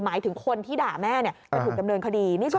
หมายถึงคนที่ด่าแม่จะถูกดำเนินคดี